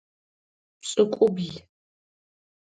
Пшӏыкӏублы.